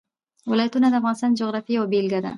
ولایتونه د افغانستان د جغرافیې یوه بېلګه ده.